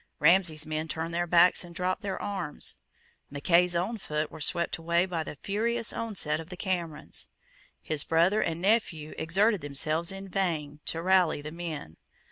Ramsay's men turned their backs and dropped their arms. Mackay's own foot were swept away by the furious onset of the Camerons. His brother and nephew exerted themselves in vain to rally the men.